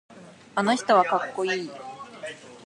あの人はかっこいい。